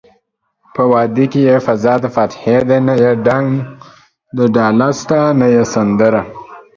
په واده کې يې فضادفاتحې ده نه يې ډنګ دډاله شته نه يې سندره